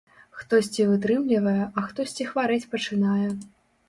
Хтосьці вытрымлівае, а хтосьці хварэць пачынае.